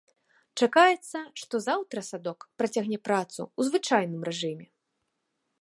Чакаецца, што заўтра садок працягне працу ў звычайным рэжыме.